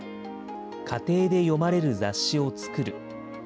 家庭で読まれる雑誌を作る。